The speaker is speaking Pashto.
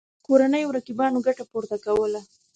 کورنیو رقیبانو ګټه پورته کوله.